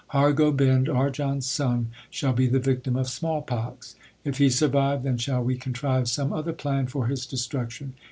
Har Gobind, Arjan s son, shall be the victim of small pox. If he survive, then shall we contrive some other plan for his destruction.